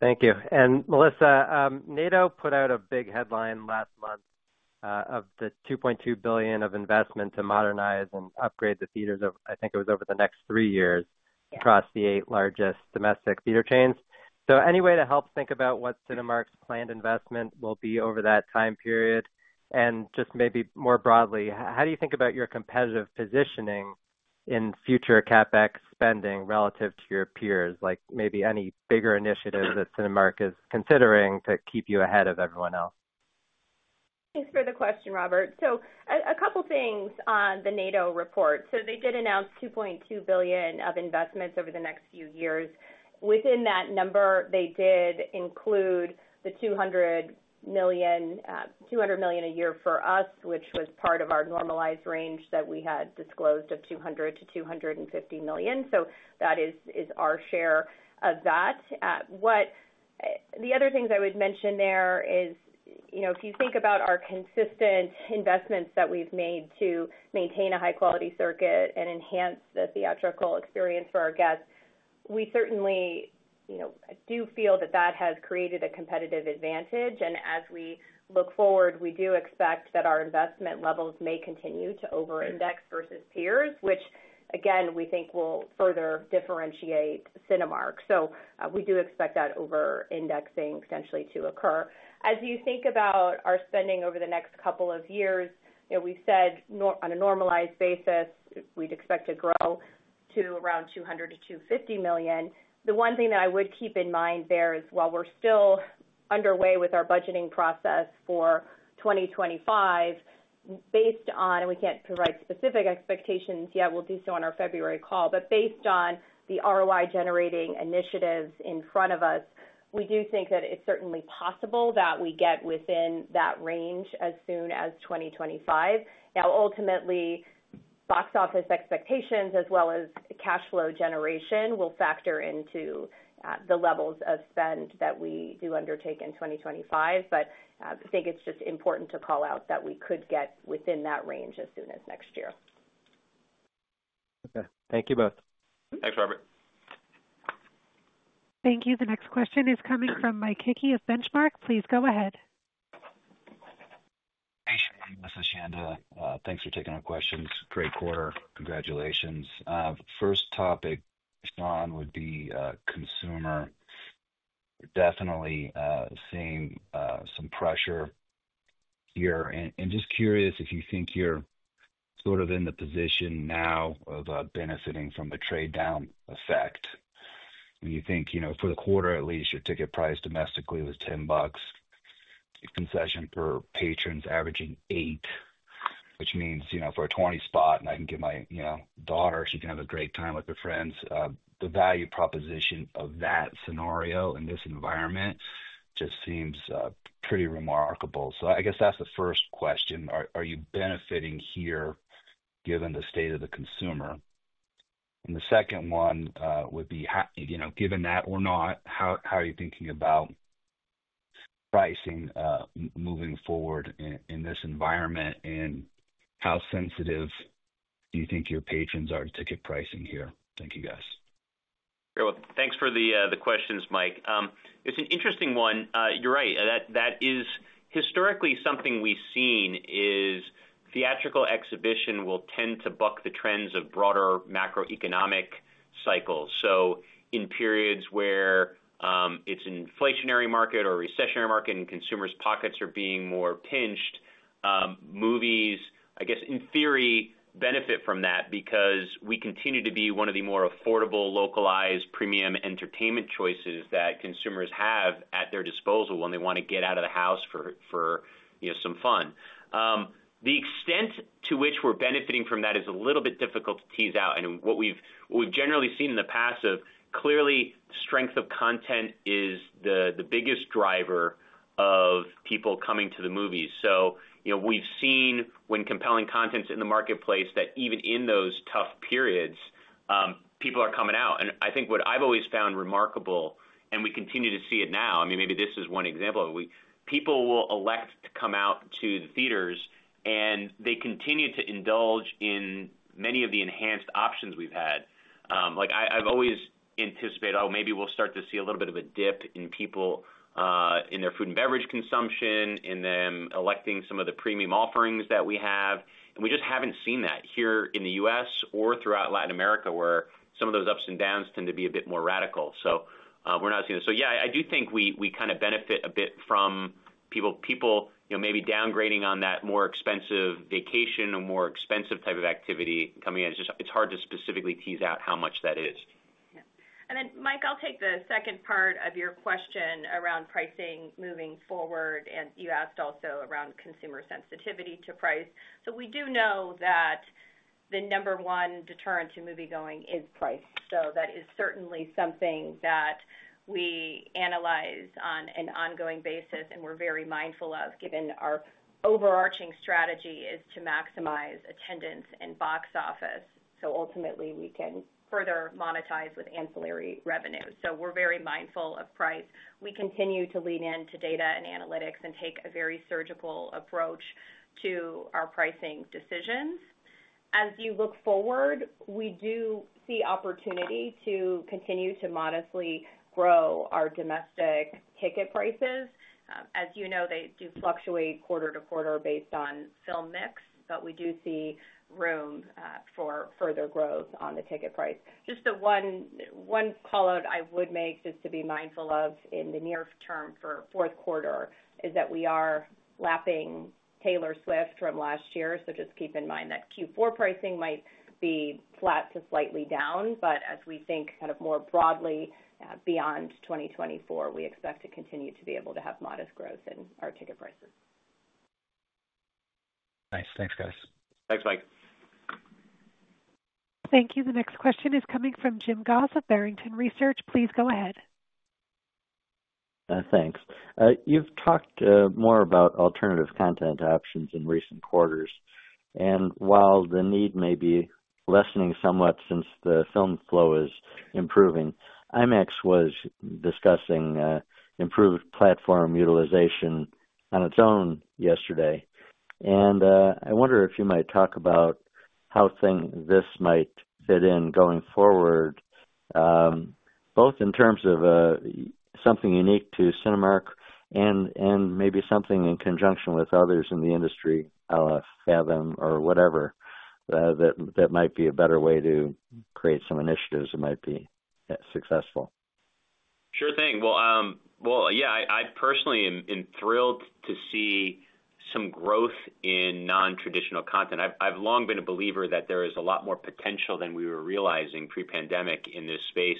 Thank you. And Melissa, NATO put out a big headline last month of the $2.2 billion of investment to modernize and upgrade the theaters of, I think it was over the next three years across the eight largest domestic theater chains. So any way to help think about what Cinemark's planned investment will be over that time period? Just maybe more broadly, how do you think about your competitive positioning in future CapEx spending relative to your peers, like maybe any bigger initiative that Cinemark is considering to keep you ahead of everyone else? Thanks for the question, Robert. So a couple of things on the NATO report. So they did announce $2.2 billion of investments over the next few years. Within that number, they did include the $200 million a year for us, which was part of our normalized range that we had disclosed of $200 million-$250 million. So that is our share of that. The other things I would mention there is, you know, if you think about our consistent investments that we've made to maintain a high-quality circuit and enhance the theatrical experience for our guests, we certainly, you know, do feel that that has created a competitive advantage. As we look forward, we do expect that our investment levels may continue to over-index versus peers, which, again, we think will further differentiate Cinemark. So we do expect that over-indexing potentially to occur. As you think about our spending over the next couple of years, you know, we've said on a normalized basis, we'd expect to grow to around $200 million-$250 million. The one thing that I would keep in mind there is while we're still underway with our budgeting process for 2025, based on, and we can't provide specific expectations yet, we'll do so on our February call, but based on the ROI-generating initiatives in front of us, we do think that it's certainly possible that we get within that range as soon as 2025. Now, ultimately, box office expectations as well as cash flow generation will factor into the levels of spend that we do undertake in 2025. But I think it's just important to call out that we could get within that range as soon as next year. Okay. Thank you both. Thanks, Robert. Thank you. The next question is coming from Mike Hickey of Benchmark. Please go ahead. Hey, Chanda. Thanks for taking our questions. Great quarter. Congratulations. First topic, Sean, would be consumer. We're definitely seeing some pressure here. And just curious if you think you're sort of in the position now of benefiting from the trade-down effect. You think, you know, for the quarter, at least your ticket price domestically was $10, concession per patrons averaging $8, which means, you know, for a $20 spot, and I can get my, you know, daughter, she can have a great time with her friends. The value proposition of that scenario in this environment just seems pretty remarkable. I guess that's the first question. Are you benefiting here given the state of the consumer? The second one would be, you know, given that or not, how are you thinking about pricing moving forward in this environment and how sensitive do you think your patrons are to ticket pricing here? Thank you, guys. Thanks for the questions, Mike. It's an interesting one. You're right. That is historically something we've seen is theatrical exhibition will tend to buck the trends of broader macroeconomic cycles. So, in periods where it's an inflationary market or a recessionary market and consumers' pockets are being more pinched, movies, I guess, in theory, benefit from that because we continue to be one of the more affordable, localized, premium entertainment choices that consumers have at their disposal when they want to get out of the house for, you know, some fun. The extent to which we're benefiting from that is a little bit difficult to tease out. And what we've generally seen in the past is clearly the strength of content is the biggest driver of people coming to the movies. So, you know, we've seen when compelling content's in the marketplace that even in those tough periods, people are coming out. I think what I've always found remarkable, and we continue to see it now. I mean, maybe this is one example of it. People will elect to come out to the theaters and they continue to indulge in many of the enhanced options we've had. Like I've always anticipated, oh, maybe we'll start to see a little bit of a dip in people in their food and beverage consumption and then electing some of the premium offerings that we have. And we just haven't seen that here in the U.S. or throughout Latin America where some of those ups and downs tend to be a bit more radical. So we're not seeing it. So yeah, I do think we kind of benefit a bit from people, you know, maybe downgrading on that more expensive vacation or more expensive type of activity coming in. It's just, it's hard to specifically tease out how much that is. Yeah. And then, Mike, I'll take the second part of your question around pricing moving forward. And you asked also around consumer sensitivity to price. So we do know that the number one deterrent to moviegoing is price. So that is certainly something that we analyze on an ongoing basis and we're very mindful of given our overarching strategy is to maximize attendance and box office. So ultimately, we can further monetize with ancillary revenue. So we're very mindful of price. We continue to lean into data and analytics and take a very surgical approach to our pricing decisions. As you look forward, we do see opportunity to continue to modestly grow our domestic ticket prices. As you know, they do fluctuate quarter to quarter based on film mix, but we do see room for further growth on the ticket price. Just the one callout I would make just to be mindful of in the near term for fourth quarter is that we are lapping Taylor Swift from last year. So just keep in mind that Q4 pricing might be flat to slightly down, but as we think kind of more broadly beyond 2024, we expect to continue to be able to have modest growth in our ticket prices. Nice. Thanks, guys. Thanks, Mike. Thank you. The next question is coming from Jim Goss of Barrington Research. Please go ahead. Thanks. You've talked more about alternative content options in recent quarters, and while the need may be lessening somewhat since the film flow is improving, IMAX was discussing improved platform utilization on its own yesterday. And I wonder if you might talk about how this might fit in going forward, both in terms of something unique to Cinemark and maybe something in conjunction with others in the industry, à la Fathom or whatever, that might be a better way to create some initiatives that might be successful. Sure thing. Well, yeah, I personally am thrilled to see some growth in non-traditional content. I've long been a believer that there is a lot more potential than we were realizing pre-pandemic in this space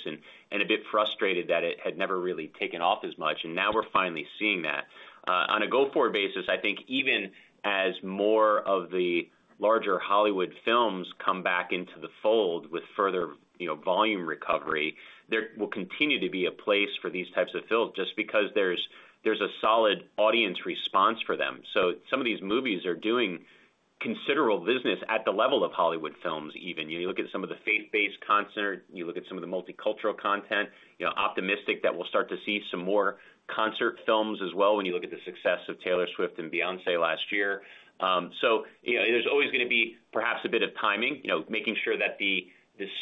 and a bit frustrated that it had never really taken off as much. And now we're finally seeing that. On a go-forward basis, I think even as more of the larger Hollywood films come back into the fold with further, you know, volume recovery, there will continue to be a place for these types of films just because there's a solid audience response for them. So some of these movies are doing considerable business at the level of Hollywood films even. You look at some of the faith-based concert, you look at some of the multicultural content, you know, optimistic that we'll start to see some more concert films as well when you look at the success of Taylor Swift and Beyoncé last year. So, you know, there's always going to be perhaps a bit of timing, you know, making sure that the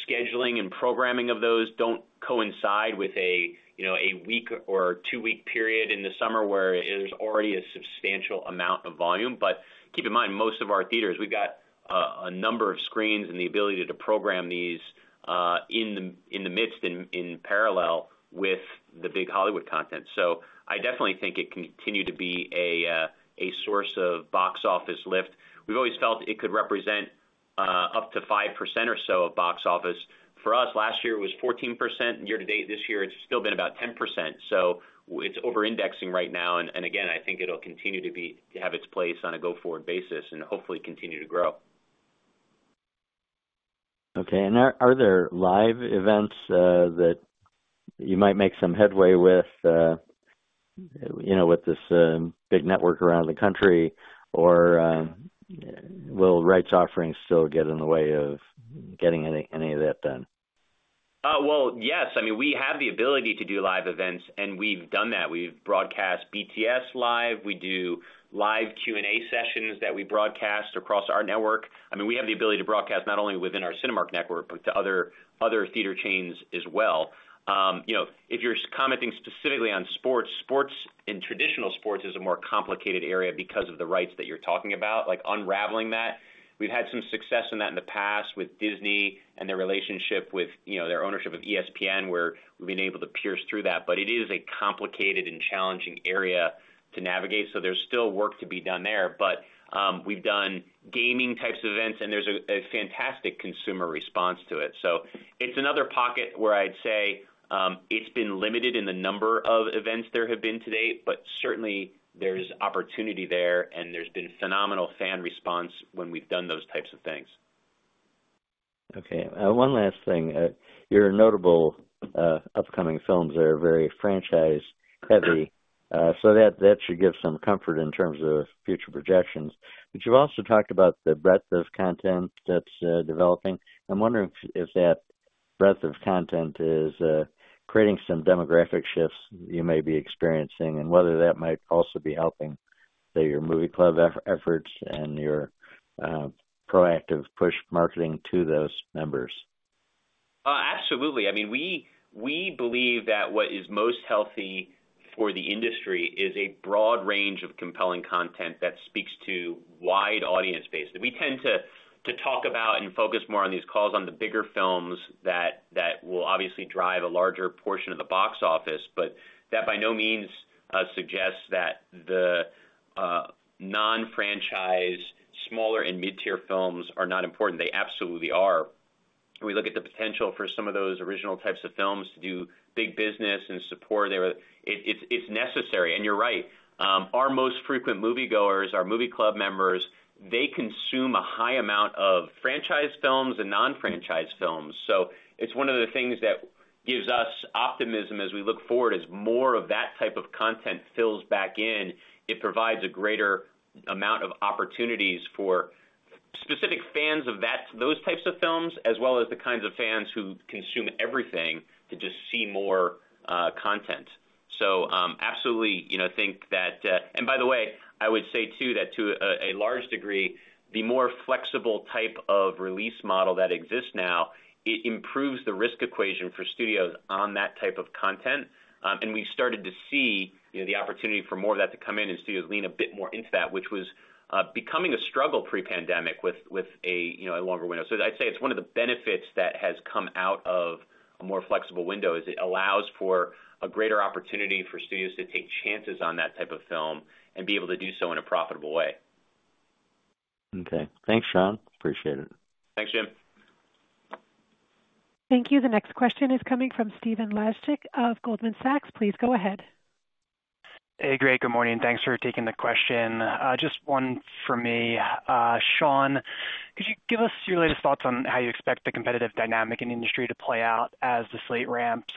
scheduling and programming of those don't coincide with a, you know, a week or two-week period in the summer where there's already a substantial amount of volume. But keep in mind, most of our theaters, we've got a number of screens and the ability to program these in the midst and in parallel with the big Hollywood content. So I definitely think it can continue to be a source of box office lift. We've always felt it could represent up to 5% or so of box office. For us, last year it was 14%. Year to date, this year it's still been about 10%. So it's over-indexing right now. And again, I think it'll continue to have its place on a go-forward basis and hopefully continue to grow. Okay. And are there live events that you might make some headway with, you know, with this big network around the country? Or will rights offerings still get in the way of getting any of that done? Well, yes. I mean, we have the ability to do live events and we've done that. We've broadcast BTS live. We do live Q&A sessions that we broadcast across our network. I mean, we have the ability to broadcast not only within our Cinemark network, but to other theater chains as well. You know, if you're commenting specifically on sports, sports and traditional sports is a more complicated area because of the rights that you're talking about, like unraveling that. We've had some success in that in the past with Disney and their relationship with, you know, their ownership of ESPN where we've been able to pierce through that. But it is a complicated and challenging area to navigate. So there's still work to be done there. But we've done gaming types of events and there's a fantastic consumer response to it. So it's another pocket where I'd say it's been limited in the number of events there have been to date, but certainly there's opportunity there and there's been phenomenal fan response when we've done those types of things. Okay. One last thing. Your notable upcoming films are very franchise-heavy. So that should give some comfort in terms of future projections. But you've also talked about the breadth of content that's developing. I'm wondering if that breadth of content is creating some demographic shifts you may be experiencing and whether that might also be helping your movie club efforts and your proactive push marketing to those members. Absolutely. I mean, we believe that what is most healthy for the industry is a broad range of compelling content that speaks to a wide audience base. We tend to talk about and focus more on these calls on the bigger films that will obviously drive a larger portion of the box office, but that by no means suggests that the non-franchise, smaller and mid-tier films are not important. They absolutely are. We look at the potential for some of those original types of films to do big business and support there. It's necessary. And you're right. Our most frequent moviegoers, our movie club members, they consume a high amount of franchise films and non-franchise films. So it's one of the things that gives us optimism as we look forward as more of that type of content fills back in. It provides a greater amount of opportunities for specific fans of those types of films as well as the kinds of fans who consume everything to just see more content. So absolutely, you know, I think that, and by the way, I would say too that to a large degree, the more flexible type of release model that exists now, it improves the risk equation for studios on that type of content. And we've started to see, you know, the opportunity for more of that to come in and studios lean a bit more into that, which was becoming a struggle pre-pandemic with, you know, a longer window. So I'd say it's one of the benefits that has come out of a more flexible window is it allows for a greater opportunity for studios to take chances on that type of film and be able to do so in a profitable way. Okay. Thanks, Sean. Appreciate it. Thanks, Jim. Thank you. The next question is coming from Stephen Laszczyk of Goldman Sachs. Please go ahead. Hey, Gamble. Good morning. Thanks for taking the question. Just one for me. Sean, could you give us your latest thoughts on how you expect the competitive dynamic in the industry to play out as the slate ramps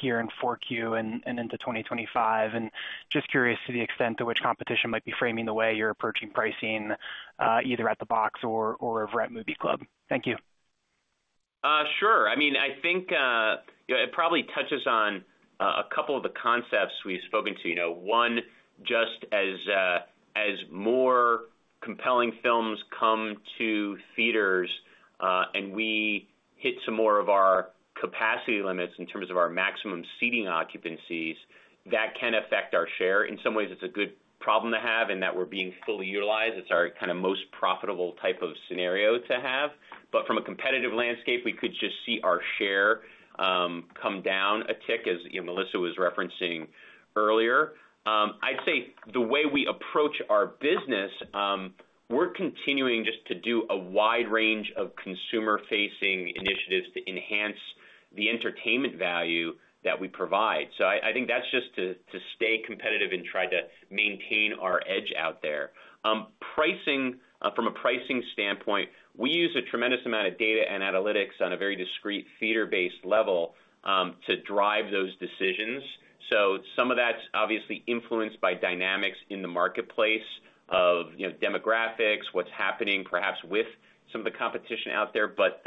here in 4Q and into 2025? And just curious to the extent to which competition might be framing the way you're approaching pricing either at the box or over at movie club. Thank you. Sure. I mean, I think, you know, it probably touches on a couple of the concepts we've spoken to. You know, one, just as more compelling films come to theaters and we hit some more of our capacity limits in terms of our maximum seating occupancies, that can affect our share. In some ways, it's a good problem to have in that we're being fully utilized. It's our kind of most profitable type of scenario to have. But from a competitive landscape, we could just see our share come down a tick as, you know, Melissa was referencing earlier. I'd say the way we approach our business, we're continuing just to do a wide range of consumer-facing initiatives to enhance the entertainment value that we provide. So I think that's just to stay competitive and try to maintain our edge out there. Pricing, from a pricing standpoint, we use a tremendous amount of data and analytics on a very discrete theater-based level to drive those decisions. So some of that's obviously influenced by dynamics in the marketplace of, you know, demographics, what's happening perhaps with some of the competition out there. But,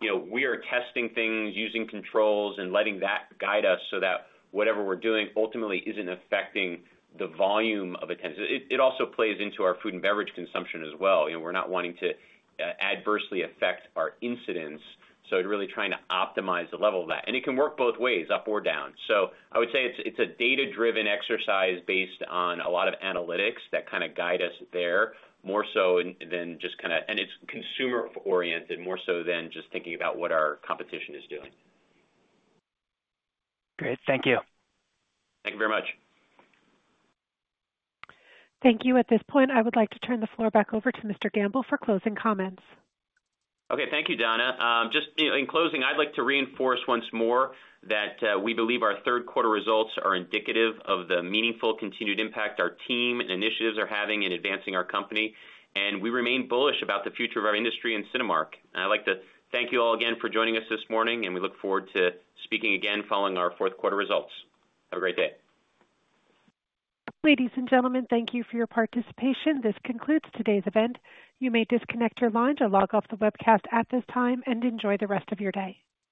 you know, we are testing things, using controls, and letting that guide us so that whatever we're doing ultimately isn't affecting the volume of attendance. It also plays into our food and beverage consumption as well. You know, we're not wanting to adversely affect our incidence. So really trying to optimize the level of that. And it can work both ways, up or down. So, I would say it's a data-driven exercise based on a lot of analytics that kind of guide us there more so than just kind of, and it's consumer-oriented more so than just thinking about what our competition is doing. Great. Thank you. Thank you very much. Thank you. At this point, I would like to turn the floor back over to Mr. Gamble for closing comments. Okay. Thank you, Donna. Just in closing, I'd like to reinforce once more that we believe our third quarter results are indicative of the meaningful continued impact our team and initiatives are having in advancing our company. And we remain bullish about the future of our industry and Cinemark. And I'd like to thank you all again for joining us this morning. And we look forward to speaking again following our fourth quarter results. Have a great day. Ladies and gentlemen, thank you for your participation. This concludes today's event. You may disconnect your lines or log off the webcast at this time and enjoy the rest of your day.